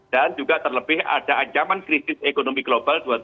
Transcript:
dan juga terlebih ada ancaman krisis ekonomi global dua ribu dua puluh tiga